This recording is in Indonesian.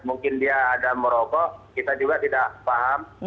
mungkin dia ada merokok kita juga tidak paham